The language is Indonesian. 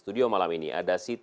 einkan berlangganan macet